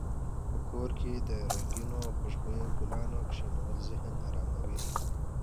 په کور کې د رنګینو او خوشبویه ګلانو کښېنول ذهن اراموي.